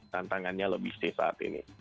tantangannya lebih say saat ini